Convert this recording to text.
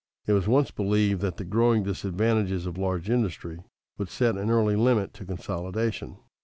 It was once believed that the growing disadvantages of large industry would set an early limit to consolidation.